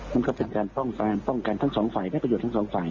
มันก็เป็นการป้องกันป้องกันทั้งสองฝ่ายได้ประโยชน์ทั้งสองฝ่าย